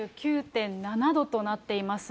３９．７度となっています。